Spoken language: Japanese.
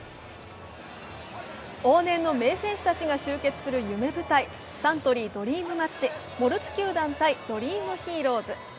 往年の名選手たちが集結する夢舞台、サントリードリームマッチ、モルツ球団×ドリームヒーローズ。